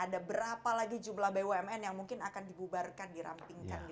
ada berapa lagi jumlah bumn yang mungkin akan dibubarkan dirampingkan